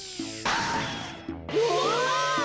うわ！